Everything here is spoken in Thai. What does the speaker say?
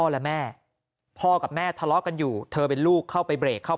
และแม่พ่อกับแม่ทะเลาะกันอยู่เธอเป็นลูกเข้าไปเบรกเข้า